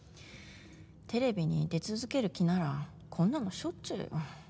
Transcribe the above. テレビに出続ける気ならこんなの、しょっちゅうよ。